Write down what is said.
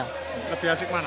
lebih asik mana